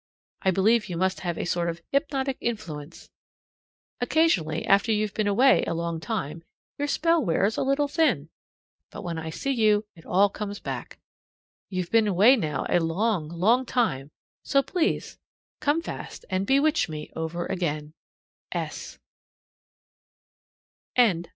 I believe you must have a sort of hypnotic influence. Occasionally, after you've been away a long time, your spell wears a little thin. But when I see you, it all comes back. You've been away now a long, long time; so, please come fast and bewitch me over again!